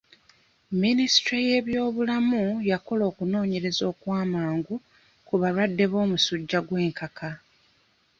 Minisitule y'ebyobulamu yakola okunoonyereza okw'amagu ku balwadde b'omusujja gw'enkaka.